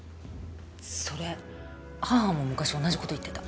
それ母も昔同じこと言ってた。